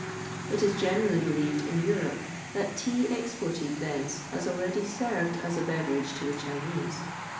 It is generally believed in Europe that tea exported thence has already served as a beverage to the Chinese.